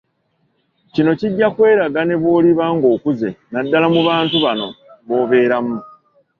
Kino kijja kweraga ne bw'oliba ng'okuze naddala mu bantu banno b'obeeramu